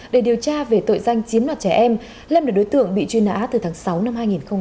để điều tra về tội danh chiếm đoạt trẻ em lâm là đối tượng bị truy nã từ tháng sáu năm hai nghìn một mươi ba